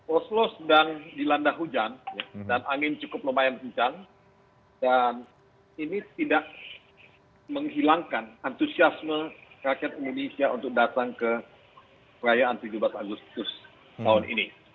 oslo sedang dilanda hujan dan angin cukup lumayan kencang dan ini tidak menghilangkan antusiasme rakyat indonesia untuk datang ke perayaan tujuh belas agustus tahun ini